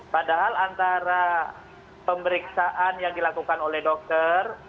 padahal antara pemeriksaan yang dilakukan oleh dokter